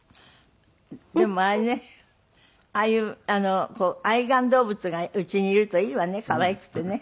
でもあれねああいう愛玩動物が家にいるといいわね可愛くてね。